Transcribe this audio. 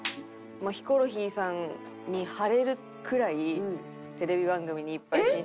ヒコロヒーさんに張れるくらいテレビ番組にいっぱい進出できるように。